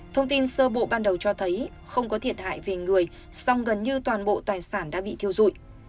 thông tin sơ bộ ban đầu cho thấy không có thiệt hại về người song gần như toàn bộ tài sản đã bị thiêu dụi